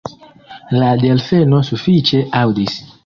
La delfeno sufiĉe aŭdis.